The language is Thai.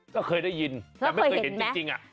ก็เคยได้ยินแต่ไม่เคยเห็นจริง